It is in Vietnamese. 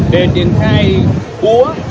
để triển khai búa